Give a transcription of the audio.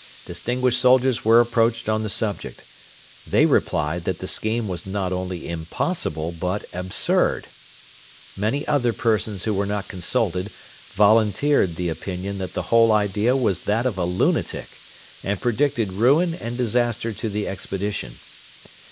Distinguished soldiers were approached on the subject. They replied that the scheme was not only impossible, but absurd. Many other persons who were not consulted volunteered the opinion that the whole idea was that of a lunatic, and predicted ruin and disaster to the expedition.